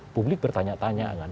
publik bertanya tanya kan